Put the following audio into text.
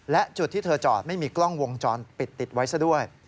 และจุดที่เธอจอดไม่มีกล้องวงจรปิดติดไว้ซะด้วย